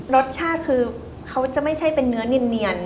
รสชาติคือเขาจะไม่ใช่เป็นเนื้อเนียน